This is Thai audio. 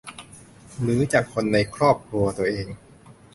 หรือจากคนในครอบครัวตัวเอง